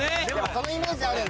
そのイメージあるんだ。